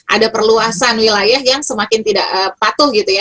ada perluasan wilayah yang semakin tidak patuh gitu ya